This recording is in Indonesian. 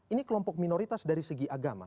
ini kelompok minoritas dari segi agama